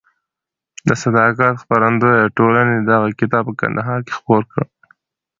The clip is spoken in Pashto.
د صداقت خپرندویه ټولنې دغه کتاب په کندهار کې خپور کړ.